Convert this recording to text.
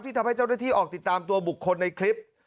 ทำให้เจ้าหน้าที่ออกติดตามตัวบุคคลในคลิป